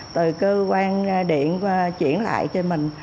từ cơ quan điện chuyển lại cho mình